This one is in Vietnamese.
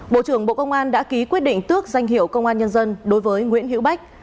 bộ trưởng bộ công an đã ký quyết định tước danh hiệu công an nhân dân đối với nguyễn hữu bách